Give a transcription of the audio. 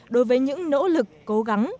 đối với những nỗ lực cố gắng